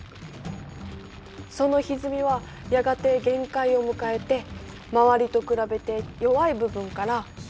そのひずみはやがて限界を迎えて周りと比べて弱い部分から小さな破壊が始まる。